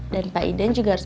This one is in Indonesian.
dan pak idan juga harus